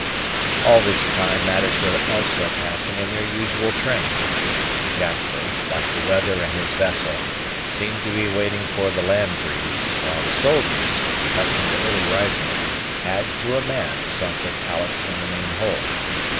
All this time matters were elsewhere passing in their usual train. Jasper, like the weather and his vessel, seemed to be waiting for the land breeze; while the soldiers, accustomed to early rising, had, to a man, sought their pallets in the main hold.